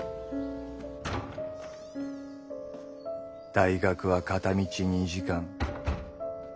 大学は片道２時間。